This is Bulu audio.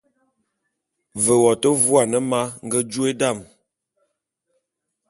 Ve wo te vuane ma nge jôe dam.